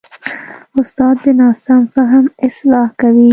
استاد د ناسم فهم اصلاح کوي.